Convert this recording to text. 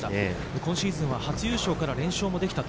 今シーズン初優勝から連勝もできたと。